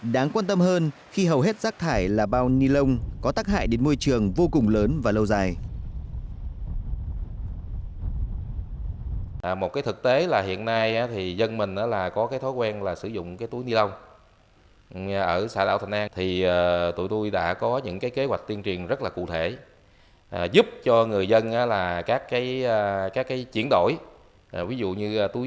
đáng quan tâm hơn khi hầu hết rác thải là bao nilon có tác hại đến môi trường vô cùng lớn